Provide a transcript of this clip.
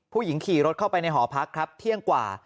ขี่รถเข้าไปในหอพักครับเที่ยงกว่า